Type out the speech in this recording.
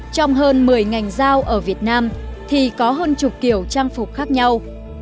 trong hơn một mươi ngành giao ở việt nam thì có hơn chục kiểu trang phục khác nhau